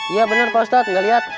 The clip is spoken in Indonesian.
iya bener pak ustadz gak liat